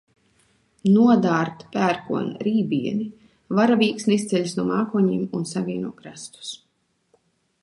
Nodārd pērkona rībieni, varavīksne izceļas no mākoņiem un savieno krastus.